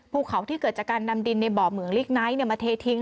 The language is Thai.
ภูเขาที่เกิดจากการนำดินในบ่อเหมืองลิกไนท์มาเททิ้ง